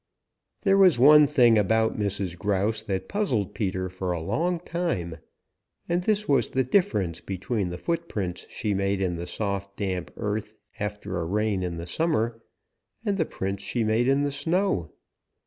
There was one thing about Mrs. Grouse that puzzled Peter for a long time, and this was the difference between the footprints she made in the soft damp earth after a rain in the summer and the prints she made in the snow.